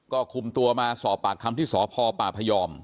ก็คุ่มตัวมาสอบปากคำที่สภปปพ